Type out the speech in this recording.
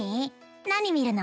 何見るの？